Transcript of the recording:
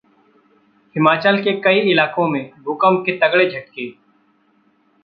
हिमाचल के कई इलाकों में भूकंप के तगड़े झटके